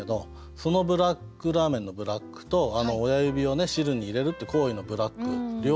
そのブラックラーメンのブラックと親指を汁に入れるっていう行為のブラック両方かかってる。